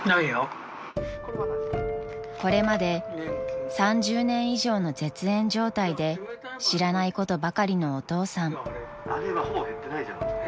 ［これまで３０年以上の絶縁状態で知らないことばかりのお父さん］